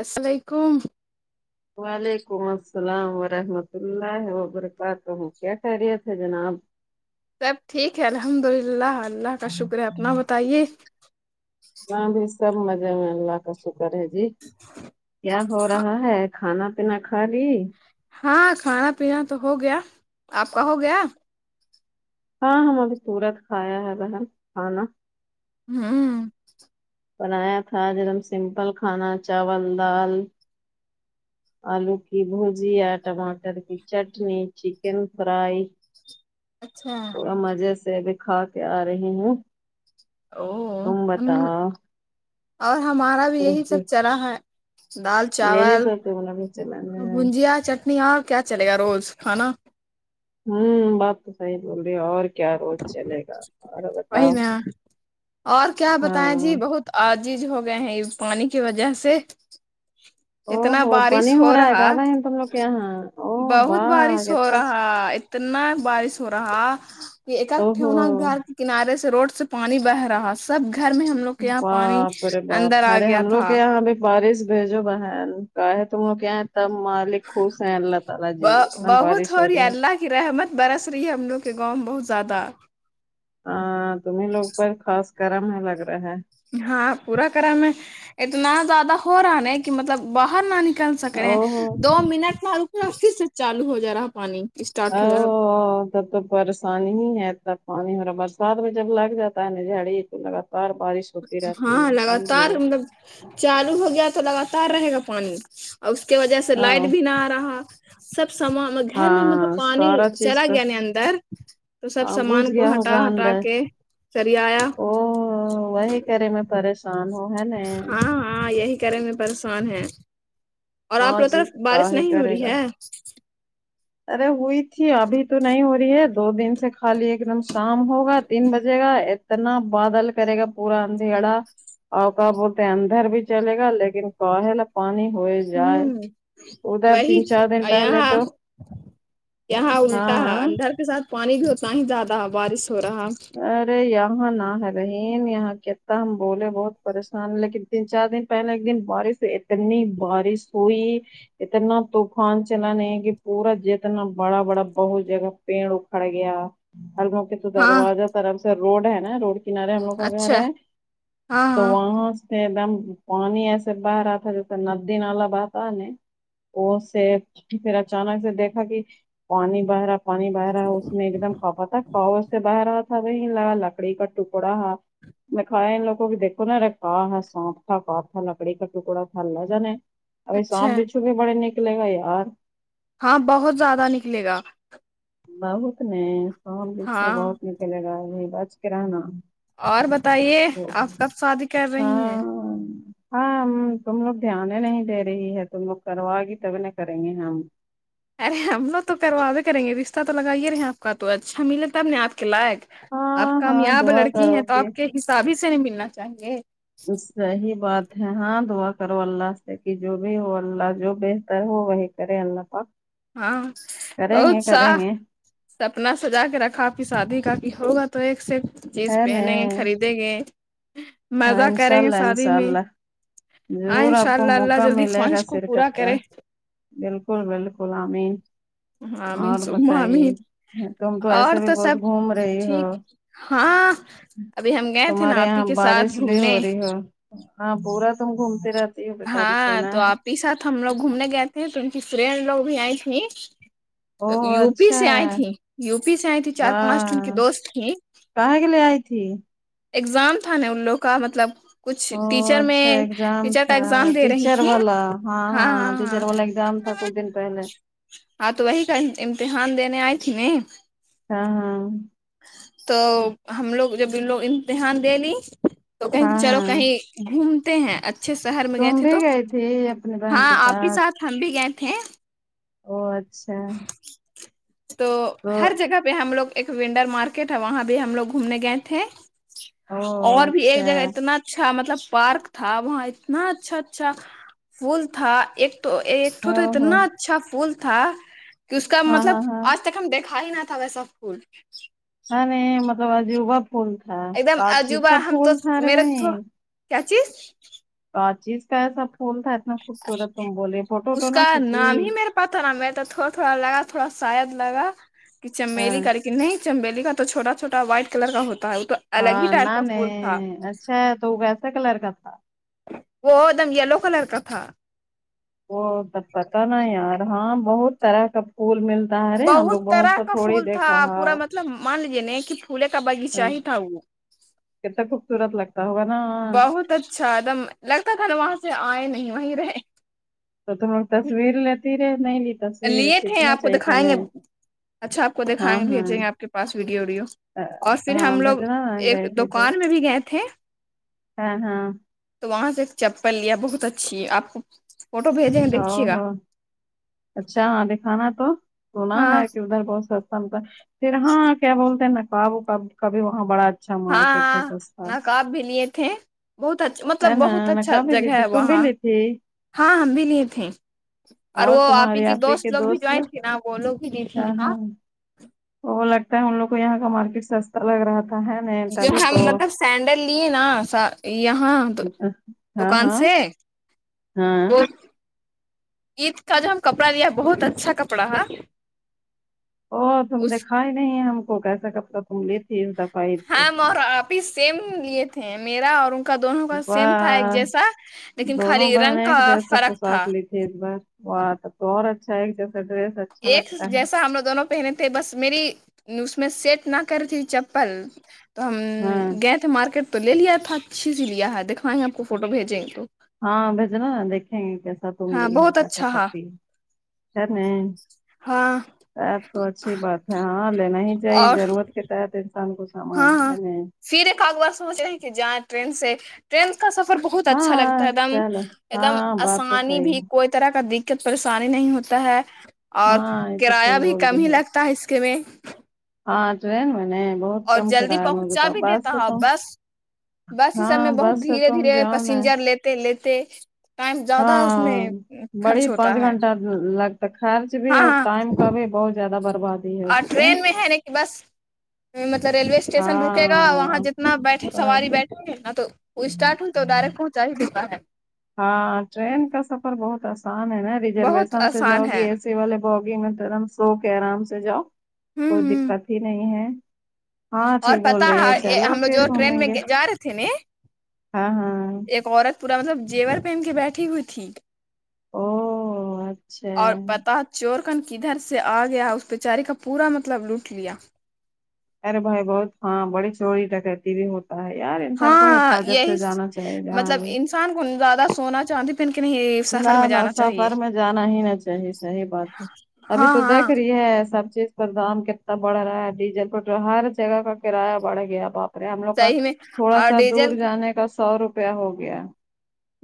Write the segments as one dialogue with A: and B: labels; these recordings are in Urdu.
A: السلام علیکم
B: وعلیکم السلام ورحمۃ اللہ وبرکاتہ ہوں کیا کہہ رہیے تھے جناب
A: سب ٹھیک ہے الحمد للہ اللہ کا شکر ہے اپنا بتائیے
B: وہ بھی سب مزے میں اللہ کا شکر ہے جی کیا ہو رہا ہے کھانا پینا کھالی
A: ہاں کھانا پینا تو ہو گیا آپ کا ہو گیا
B: ہاں ہمے پورا کھایا ہے بہن کھانا
A: ہوں
B: بنایا تھا ج ہم سمپل کھانا چاول دال آلو کی بھجیا ٹماٹر کی چٹنی چکن فرائی
A: اچھا
B: تھوڑا مزے سے ابھی کھا کے آ رہی ہوں
A: او
B: تم
A: ہم
B: بتاؤ
A: اور ہمارا بھی
B: تم
A: یہی
B: کے
A: سب چرا ہے دال چاول
B: مھ لے
A: نہیں یار کیا چلے گا روز کھانا
B: ہوں بات تو صحی بول رہی اور کیا روز چلے گا اور
A: وہی
B: بتاؤ
A: نا
B: ہاں
A: آجیز ہو گئے ہیں یہ پانی کی وجہ سے
B: [unintelligible] او ہو پانی ہو رہا ہے کہ بائی ہیں تم لوگ کے یہاں او
A: بہت
B: باہ
A: بارش ہو
B: کہتا
A: رہا اتنا بارش ہو رہا کہ ایک
B: او
A: ہے
B: ہو
A: ہونا گھر کنارے سے روڈ سے پانی بہ رہا سب گھر میں ہم لوگ کے یہاں پانی
B: باپ ارے باپ
A: اندر آ
B: ارے
A: گیا
B: ہم لوگ کے
A: تھا
B: یہاں بھی بارس بجو بہن کا ہے تم کیا ہےتا م ے خوش ہیں اللہ تعالی جی اتنا بارش ہو رہی ہے
A: رحمت برس رہی ہے ہم لوگ کے گاؤں میں بہت زیادہ
B: ہ تمہیں لوگ پر خاص کررم ہے لگ رہا ہے
A: ہاں پورا کرم میں اتنا زیادہ ہو رہا ن کہ مطلب باہر نہ نہیں کر سک رہے
B: او
A: ہیں
B: ہو
A: دو منٹ مع رومکا پھر سے چالو ہو جا رہا پانی اسٹارٹ ہو جا رہا
B: ہا ب تو پریشانی ہی ہے تب پانی ہو رہا برسات میں جب لگ جاتا ہے ن جاڑی تو لگاتار بارش ہوتی رہتی ہے
A: ہاں
B: سمجھے
A: لگاتار مطلب چالو ہو گیا تو لگاتار رہے گا پانی اور اس کے وجہ سے لائٹ
B: ہاں
A: بھی نہ آ رہا سب سامان گھر میں مطلب
B: ہاں
A: پانی
B: سارا چیز
A: چلا
B: پہ
A: گیا ن اندر تو سب
B: ہاں
A: سامان
B: گھس
A: کو
B: گیا
A: ہٹا
B: ہوگا
A: ہٹا
B: اندر
A: کے کر آیا
B: او وہی کرے میں پریشان ہوں ہے نا
A: ہاں ہاں یہی کریں میں پریشان ہے اور آپ
B: ہاں
A: لوگ طرف
B: جی
A: بارش
B: کاہے
A: نہیں ہو
B: کرے
A: رہی
B: گا
A: ہے
B: ارے ہوئی تھی ابھی تو نہیں ہو رہی ہے دو دن سے خالی ایک دم شام ہوگا تین بجے گا اتنا بادل کرے گا پورا اندھیڑا اوقا بولتے اندر بھی چلے گا لیکن کاہل پانی ہو جائے
A: ہوں
B: ادر
A: وہی
B: تین چار دن پہلے
A: یہاں
B: تو
A: یہاں الٹا ہے
B: ہاں
A: اندر کے ساتھ پانی بھی اتنا ہی زیادہ بارش ہو رہا
B: ارے یہاں نہ ہے رہین یہاں کتنا ہم بولے بہت پریشان لیکن تین چار دن پہلے ایک دن بارش اتنی بارش ہوئی اتنا طوفان چلا نہیں کہ پورا جیتنا بڑا بڑا بہت جگہ پینڑ اکھڑ گیا ہلوک کہ
A: ہاں
B: دروازہ طرف سے روڈ ہے نا روڈ کنارے ہم لوگ کا گھر
A: اچھا
B: ہے
A: ہاں
B: تو
A: ہاں
B: وہاں ایک دم پانی ایسے بہ رہا تھا جیسے ندی نالا بہتا ن وہ سے پھر اچانک سے دیکھا کہ پانی باہرا پانی بہ رہا اس میں ایک دم کپا تھا کو سے بہ رہا تھا وہ لا لکڑی کا ٹکڑا دکھایا ان لگوں کی دیکو نا ہا سانپ تھا ک تھا لکڑی کا ٹکڑا تھا ل جانا ابھی سانپ
A: اچھا
B: بچھو بھی بڑے نکلے گا یار
A: ہاں بہت زیادہ نکلے گا
B: بہت نے سوام دسو
A: ہاں
B: بہت نکلے گا بچ کر رہا [unintelligible]
A: اور بتائیے آپ کب شادی کر رہی ہیں
B: ہاں ہاں تم لوگ دھیان نہیں دے رہی ہے تم لوگ کروائے گی تبھی نہیں کریں گے ہم
A: ارے ہم لوگ تو کرواازے کریں گے رشتہ تو لگائیے رہے آپ کا تو اچھا ملے تب نے آپ کے لائق آپ
B: ہاں ہاں
A: کامیاب
B: دعا
A: لڑکی ہیں
B: کرو
A: تو
B: کہ
A: آپ کے حساب ہی سے نہیں ملنا چاہیے
B: صحیح بات ہے ہاں دعا کرو اللہ سے کہ جو بھی ہو اللہ جو بہتر ہو وہی کرے اللہ پاک
A: ہاں
B: کریں
A: بہت
B: گے
A: سا
B: کریں گے
A: سپنا سجا کے رکھا آپ کی شادی کا کہ ہوگا تو ایک سے جینس
B: خیر ہے
A: پہن گے
B: ن
A: خریدیں گے
B: ہاں
A: مزہ
B: انشاء
A: کریں گے
B: اللہ
A: شادی
B: انشاء
A: میں
B: اللہ
A: آ
B: ضرور آپ
A: انشاء
B: کو
A: اللہ اللہ
B: موقع
A: جلدی
B: ملے گا
A: خواہش کو پورا
B: شرکت کا
A: کرے
B: بالکل بالکل امین
A: آمین
B: اور
A: سم آمین
B: بتائیے تم تو
A: اور
B: ایسے بھی
A: سب
B: بہت گھوم رہی ہو
A: ٹھیک ہاں ابھی ہم گئے تھے نا
B: تمہارے
A: آپ ہی
B: یہاں
A: کے ساتھ
B: بارش بھی
A: گھومنے
B: ہو رہی ہو ہاں پورا تم گھومتی رہتے
A: ہاں تو آپہی ساتھ ہم لوگ گھومنے گئے تھے تو ان کی فرینڈ لوگ بھی آئی تھھی
B: او
A: یو پی
B: اچھا
A: سے آئی تھی یو پی سے آئی تھی چار پانچ ان کی دوست تھیں
B: کا ھے کہ لے آئی تھی
A: اگزام تھا ن ان لوگ کا مطلب کچھ ٹیچر میں ٹیچر کا
B: ہ
A: ایگزام دے رہی
B: ٹیچر
A: تھی
B: والا ہاں ہاں ٹیچر والا ایگزام تھا کچھ دن پہلے
A: ہاں تو وہی کا امتحان دینے آئی تھی ن
B: ہاں ہاں
A: تو ہم لوگ جب لوگ امتحان دے لی تو کہیں
B: ہاں
A: کہ چلو
B: ہاں
A: کہیں گھومتے ہیں اچھے شہر میں گئے
B: تم
A: تھے
B: بھی
A: تو
B: گئی تھی اپنی بہن
A: ہاں
B: کے
A: آپ ہی ساتھ ہم بھی گئے تھے
B: او اچھا
A: تو ہر جگہ پہ ہم لوگ ایک ونڈر مارکیٹ ہے وہاں بھی ہم لوگ گھومنے گئے تھے
B: او
A: اور بھی ایک
B: اچھا
A: جگہ اتنا اچھا مطلب پارک تھا وہاں اتنا اچھا اچھا پول تھا ایک تو ایکٹو تو
B: او ہو
A: اتنا اچھا پھول تھا کی اس کا
B: ہاں
A: مطلب
B: ہاں ہاں
A: اچھا تک ہم دیکھا ہی نہ تھا ویسا پھول
B: ہاں میں مطلب عجوبا پھول تھا
A: ایک دم
B: بات چیت
A: عجوبہ
B: کا
A: ہم
B: پھول
A: تو
B: تھا رے
A: میرے تو
B: بہن
A: کیا چیز
B: ایسا پھول تھا اتنا خوبصورت تم بولے فوٹو تونا کھیچ
A: پ تھا نا میرے تو تھوڑا تھوڑا لگا تھوڑا شاید لگا کہ چنبیلی
B: ہاں
A: کر کے نہیں چنبیلی کا تو چھوٹا چوٹا وائٹ کلر کا ہوتا ہے وہ تو الگ ہی
B: ہاں
A: ٹائپ
B: نہ
A: کا
B: میں
A: پھول تھا
B: اچھا ہے تو وسے کلر کا تھا
A: وہ ایک دم یلو کلر کا تھا
B: وہ تو پتہ نہیں یار ہاں بہت طرح کا پھول مل
A: بہت طرح کا پھول تھا
B: ہے
A: پورا مطلب مان لیجیے نہیں کہ پھولے کا بغیچہ ہی تھا وہ
B: کتا خوبصورت لگتا ہوگا نا
A: بہت اچھا ایک دم لگتا تھا نا وہاں سے آئے نہیں وہیں رہے
B: تو تم لوگ تصویر لیتی رے نہیں لی تصویر
A: لیے تھے
B: کھینچنا
A: آپ کو
B: چاہیے تھا نا
A: دکھائیں گے اچھا آپ کو
B: ہاں
A: دکھائیں گے
B: ہاں
A: بھیجیں گے آپ کے پاس ویڈیو ویڈیو
B: آ،
A: اور پھر
B: ہاں
A: ہم لوگ
B: بھیجنا نا
A: ایک
B: گئے تھے تو
A: دکان میں بھی گئے تھے
B: ہاں ہاں
A: تو وہاں سے چپل لیا بہت اچھی ہے آپ کو فٹو بھیجے
B: ہاو ہؤ اچھا دکھانا تو سنا
A: ہاں
B: ہے کی ادھر بہت سستا ملتا ہے پھر ہاں کیا بولتے ہیں نقاب وکاب کبھی وہاں بڑا اچھا
A: ہاں
B: مارکیٹ
A: ہاں
B: ہے سستا
A: نقاب بھی لیے تھے بہت اچھا مطلب
B: ہے نا
A: بہت اچھا
B: نقاب بھی لی
A: جگہ ہے
B: تھی تم بھی
A: وہاں
B: لی تھی
A: ہاں ہم بھی لیے تھے اور وہ آپی
B: تمہاری
A: کی
B: آپ ہی
A: دوست
B: کے
A: لوگ بھی جو ائے تھے نا وہ لوگ بھی بھی لیتی
B: تو وہ لگتا ہے ان لگ کو یہاں کا مارکیٹ سستا لگ رہا تھا ہے نہیں
A: جو
B: تبھی
A: ہم
B: تو
A: مطلب سینڈل لیے نا یہاں تو
B: ہاں
A: دکان
B: ہاں
A: سے
B: ہاں
A: وہ عید کا جو ہم کپڑا لیا بہت اچھا کپڑا ہے
B: او تم
A: اس
B: دیکھا ہی نہیں ہم کو کیسا کپڑا تم لیے
A: ہم اور آپی سیم لیے تھے میرا اور ان کا دونوں کا سیم تھا ایک
B: واہ
A: جیسا لیکن
B: دونوں
A: خالی رنگ
B: بہنیں
A: کا
B: جیسا
A: فرق تھا
B: پوشاک لی ایک بار وہ آتا تو اور اچھا ایک جیسا ڈریس اچھا
A: ایک
B: لگتا ہے
A: جیسا ہم لوگ دونوں پہنے تھے بس میری اس میں سیٹ نہ کرتی چپل تو ہم
B: ہاں
A: گئے تھے مارکیٹ تو لے لیا تھا اچھی سی لیا ہے دکھائیں گے آپ کو فوٹو بھیجیں گے تو
B: ہاں بھیجے نہ دیکھیں گے کیسے کیسا تم
A: ہاں
B: لیے ہو
A: بہت
B: کیسا
A: اچھا ہاں
B: کرتی [inaudible]
A: ہاں
B: سپ تو اچھی بات ہے ہاں لینا ہی چاہیے
A: اور
B: ضرورت کے تحت انسان کو سامان
A: ہاں ہاں
B: ہے نے
A: پھر ایک کات بار سوچ رہے ہیں کہ جائیں ٹرین سے ٹرین کا سفر بہت اچھا لگتا ہے ایک دم ایک دم آسانی بھی کوئی طرح کا دکت پریشانی نہیں ہوتا ہے اور کرایہ بھی کم ہی لگ تا ہے اس کے میں
B: ہاں [unintelligible]
A: اور جلدی پہنچا بھی دیتا ہے بس بس اس سب میں بہت دھیرے دھیرے پسنجر لیتے لیتے ٹائم زیادہ اس میں خرچ ہوتا ہے ہاں ہاں اور ٹرین میں ہے نا کہ بس مطلب ریلوے اسٹیشن روکیگا وہاں جتنا بیٹھے سواری بیٹھے گے نا تو وہ اسٹارٹ ہو تو ڈائریکٹ پہنچا ہی دیتا ہے
B: ہاں ٹرین کا سفر بہت آسان ہے نا
A: بہت
B: ریزرویشن سے
A: آسان
B: جاؤ گی
A: ہے
B: ایس والے بوگی میں تور سو کے آرام سے جاؤ
A: ہوں
B: کوئی
A: ہوں
B: دکت ہی نہیں ہے ہاں
A: اور
B: ٹھیک بول
A: پتا
B: رہی ہے چلو
A: ہم لوگ
B: پھر
A: جو ٹرین
B: گھومیں
A: میں
B: گے
A: جا رہے تھے ن
B: ہاں ہاں
A: ایک عورت پورا مطلب جیور پہن کے بیٹھی ہوئی تھی
B: او اچھا
A: اور پتہ چور کن کدھر سے آ گیا اس بیچاری کا پورا مطلب لوٹ لیا
B: ارے بھائی بہت ہاں بڑی چوڑی ڈکیتی بھی ہو ہے یار انسان کو
A: ہاں
B: حفاظت
A: یہی
B: سے جانا چاہیے جہاں
A: مطلب
B: گئے
A: انسان کو نہ زیادہ سونا چاندی پینکے نہیں
B: نہ
A: سفر میں
B: نہ
A: جانا چاہیے
B: سفر میں جانا ہی نہ چاہیے صحیح بات ہے ابھی
A: ہاں
B: تو دیکھ
A: ہاں
B: رہی ہے سب چیز کا دام کتنا بڑھ رہا ہے ڈیزل پٹرول ہر جگہ کا کرایہ بڑھ گیا اب آپ ہم لوگ کا
A: صحیح میں
B: تھوڑا
A: اور
B: سا
A: ڈیزل
B: دور جانے کا سو روپیہ ہو گیا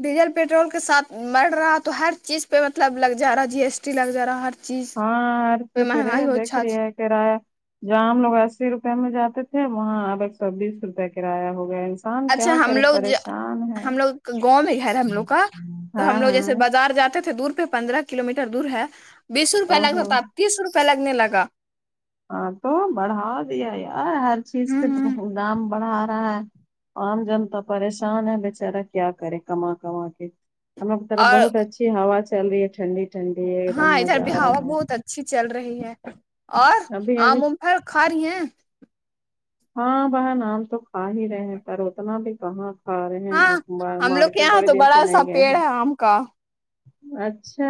A: ڈیزل پیٹرول کے ساتھ مر رہا تو ہر چیز پہ مطلب لگ جا رہا ہے جی ایس ٹی لگ جا رہا ہر چیز
B: ہاں
A: پہ
B: ہرسی پھرے
A: مہنگائی ہو
B: دیکھ
A: اچھا
B: رہی ہے کرایہ جہاں ہم لوگ اسی روپے میں جاتے تھے وہاں اب ایک سو بیس روپے کرایہ ہو گیا انسان
A: اچھا
B: کیا
A: ہم
B: کرے
A: لوگ
B: پریشان ہے
A: ہم لوگ گاؤں میں گھر ہم لوگ کا تو
B: ہاں
A: ہم لوگ
B: ہاں
A: جیسے بازار جاتے تو دور پہ پندرہ کلو میٹر دور ہے بیس روپئے
B: او
A: لگتا
B: ہو
A: تو آپ تیس روپئے لگنے لگا
B: ہاں تو بڑھا دیا یار ہر چیز کے تو دام بڑھا رہا ہے عام جنتا پریشان ہے بیچارا کیا کرے کما کما کے ہمیں طرف
A: اور
B: بہت اچھی ہوا چل رہی ہے ٹھنڈی ٹھنڈی ایک دم
A: ہاں ادھر
B: مزہ
A: بھی
B: آ رہا
A: ہوا
B: ہے
A: بہت اچھی چل رہی ہے اور
B: ابھی ابھی
A: آم ام پھر کھا رہی ہیں
B: ہاں بہن آم تو کھا ہی رہے ہیں پر اتنا بھی کہاں آ ر ہے
A: ہاں
B: ہیں
A: ہم لوگ کے
B: مارکیٹ
A: یہاں
B: بڑے
A: تو
B: دن سے
A: بڑا سا
B: نہیں گئے
A: پیڑ
B: ہیں
A: ہے آم کا
B: اچھا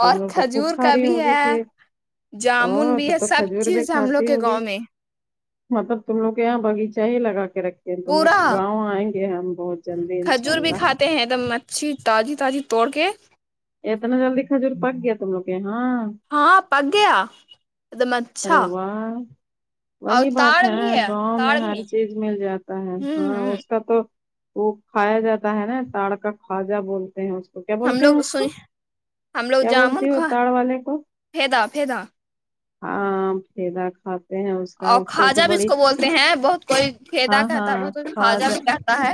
B: تم
A: اور
B: لوگ تو خوب
A: کھجور کا
B: کھاری
A: بھی
B: ہوگی
A: ہے
B: پھر او
A: جامن بھی
B: تو
A: ہے
B: تو
A: سب
B: کھجور بھی
A: چیز ہم لوگ
B: کھاتی
A: کے
B: ہوگی
A: گاؤں میں
B: مطلب تم لوگ یہاں بغیچہ ہی لگا کے رکھ تم
A: پورا
B: [unintelligible] گاؤں آئیں گے ہم بہت جلدی انشاء
A: کھجور بھی
B: اللہ
A: کھاتے ہیں دم مچھھی تازی تازی توڑ کے
B: اتنا جلدی کھجور پک گیا تم لوگ کے یہاں
A: ہاں پک گیا ایک دم اچھا
B: اروو
A: اور
B: وہی بات
A: تار
B: ہے
A: بھی
B: گاؤں
A: تار
B: میں ہر
A: بھی
B: چیز مل جاتا ہے
A: ہوں
B: ہاں
A: ہوں
B: اس کا تو وہ کھایا جاتا ہے نا تڑ کا خواجہ بولتے ہیں اس تو کیا
A: ہم
B: بولتے ہیں
A: لوگ
B: اس
A: سن
B: کو کیا بولتی ہو ا تڑ والے کو
A: فیدا فیدا
B: ہاں پ دا ک [unintelligible]
A: اور خواجہ بھی اس کو بولتے ہیں بہت کوئی
B: ہاں
A: کھیدا کہتا ہے
B: ہاں
A: بہت کو
B: کھا
A: خواجہ
B: جا
A: بھی کہتا ہے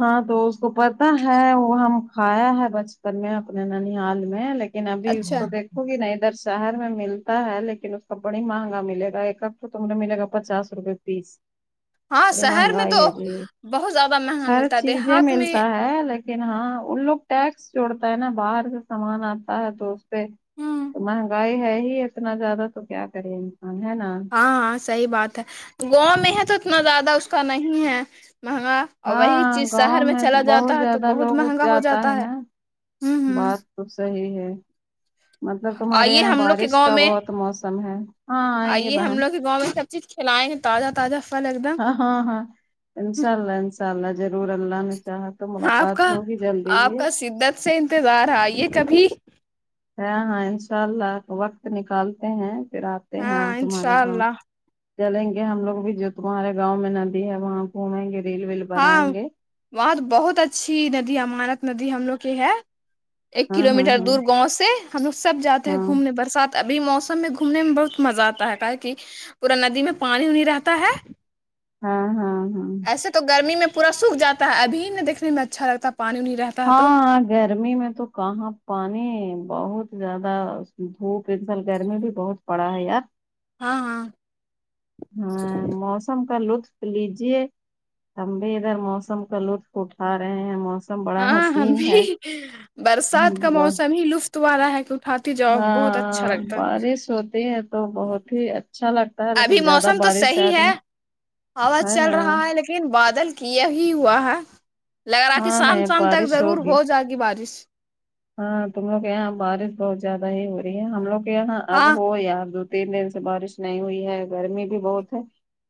B: ہاں تو اس کو پتا ہے وہ ہم کھایا ہے بچپن میں اپنے نانیال میں لیک ن ابھی اس
A: اچھا
B: کو دیکھو گی نا ادھر شہر میں ملتا ہے لیکن اس کو بڑی مہنگا ملے گا ایک ہف تم ملے گا پچاس روپے پیس
A: ہاں
B: بڑی
A: شہر میں
B: مہنگائی
A: تو
B: ہے جی
A: بہت زیادہ م
B: ہر چیزیں ملتا ہے لائک لیکن ہاں ان لوگ ٹیکس جوڑتا ہے نا باہر سے سامان آتا ہے تو اس پہ
A: ہوں
B: تو مہنگائی ہے ہی اتنا زیادہ تو کیا کرے انسان ہے نا
A: ہاں ہاں صحیح بات ہے گاؤں میں ہے تو اتنا زیادہ اس کا نہیں ہے مہنگا اور وہی
B: ہاں
A: چیز
B: گاؤں
A: شہر میں
B: تو
A: چلا جاتا
B: بہت
A: ہے تو
B: زیادہ
A: بہت
B: لوگ اگ
A: مہنگا ہو جاتا ہے
B: نا
A: ہ
B: بات
A: ہ
B: تو صحیح ہے مطلب تمہارے
A: آئیے
B: یہاں
A: ہم لوگ کے
B: بارش
A: گاؤں
B: کا
A: میں
B: بہت موسم ہے ہاں آئیں گے
A: آئیے ہم
B: بہن
A: لوگ گاؤں میں سب چیز کھلائے ہیں تازہ تازہ فھل ایک دم
B: ہاں ہاں ہاں انشاء اللہ انشاء اللہ ضرور اللہ نے چاہا تو
A: آپ
B: ملاقات
A: کا
B: ہوگی جلدی
A: آپ
B: ہی
A: کا شدت سے انتظار آئیے کبھی
B: ہے ہاں ان شاء اللہ وقت نکالتے ہیں پھر آتے ہیں
A: ہاں
B: تمہارے
A: انشاء
B: گاؤں
A: اللہ
B: چلیں گے ہم لوگ بھی جو تمہارے گاؤں میں ندی ہے وہاں گھومیں گے ریل ویل
A: ہاں
B: بنائیں گے
A: وہاں تو بہت اچھی ندی امانت ندی ہم لوگ کی ہے ایک
B: ہاں
A: کلو
B: ہاں
A: میٹر
B: ہاں
A: دور گاؤں سے ہم لوگ سب جاتے
B: ہاں
A: ہیں گھومنے برسات ابھی موسم میں گھومنے میں بہت مزہ آتا ہے کہ کہ پورا ندی میں پانی وانی رہتا ہے
B: ہاں ہاں ہاں
A: ایسے تو گرمی میں پور سوکھ جاتا ہے ابھی نہ دیکھنے میں اچھا لگتا ہے پانی وانی رہتا ہے تو
B: ہاں گرمی میں تو کہاں پانی بہت زیادہ دھوپ ایک دم گرمی بھی بہت پڑا ہے یار
A: ہاں ہاں
B: ہاں موسم کا لطف لیجیے ہم بھی ادھر موسم کا لطف اٹھا رہے ہیں موسم بڑا
A: ہاں ہم
B: حسین
A: بھی
B: ہے
A: ہی ہی۔۔۔ برسات کا موسم ہی لطف والا ہے کیو
B: ہاں بارش ہوتی ہے تو بہت ہی اچھا لگتا ہے
A: ابھی
B: لیکن زیادہ
A: موسم تو
B: بارش سے
A: صحیح ہے
B: آدمی
A: ہوا
B: ہے
A: چل
B: نا
A: رہا ہے لیکن لن بادل کیا ہی ہوا ہے لگ رہا کہ
B: ہاں
A: شام
B: نہیں
A: شام تک
B: بارش
A: ضرور
B: ہوگی
A: ہو جات کی بارش
B: ہاں تم لوگ یہاں بارش بہت زیادہ ہی ہو رہی ہے ہم لوگ یہاں اب
A: ہاں
B: ہو یار د تین دن سے بارش نہیں ہوئی ہے گرمی بھی بہت ہے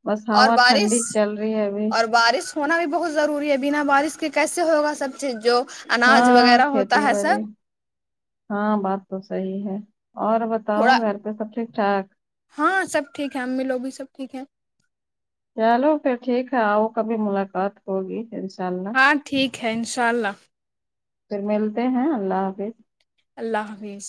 B: بس
A: اور
B: ہوا
A: بارش
B: ٹھنڈی چل رہی ہے ابھی
A: اور بارش ہونا بھی بہت ضروری ہے بنا بارش کے کیسے ہوگا سب چیز جو اناج
B: ہاں
A: وغیرہ ہوتا
B: کھیتی
A: ہے
B: باڑی
A: سب
B: ہاں بات تو صحیح ہے اور بتاؤ
A: تھوڑا
B: گھر پہ سب ٹھیک ٹھاک
A: ہاں سب ٹھیک ہے امی لوگ بھی سب ٹھیک ہیں
B: چلو پھر ٹھیک ہے آؤ کبھی ملاقات ہوگی اللہ
A: ہاں ٹھیک ہے انشاء اللہ
B: پھر ملتے ہیں اللہ حافظ
A: اللہ حافظ